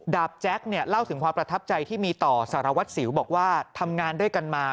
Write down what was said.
บแจ๊คเนี่ยเล่าถึงความประทับใจที่มีต่อสารวัตรสิวบอกว่าทำงานด้วยกันมา